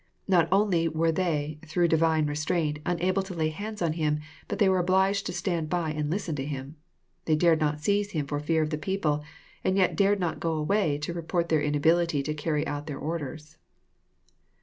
Notonly were they, through Divine re straint, unable to lay hands on Him, but they were obliged to stand by and listen to Him. They dared not seize Him for fear of the people, and yet dared not go away to report their inability to carry out their orders.